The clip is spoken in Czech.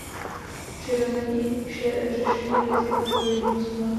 Přiřazení řešení rizik odpovědným osobám.